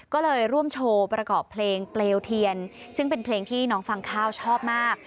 ก็เลยร่วมโชว์ประกอบเพลงเปลวเทียนซึ่งเป็นเพลงที่น้องฟังข้าวชอบมาก